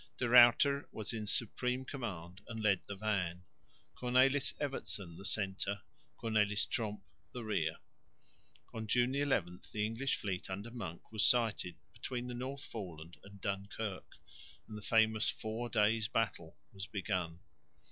De Ruyter was in supreme command and led the van, Cornelis Evertsen the centre, Cornelis Tromp the rear. On June 11 the English fleet under Monk was sighted between the North Foreland and Dunkirk, and the famous Four Days' Battle was begun.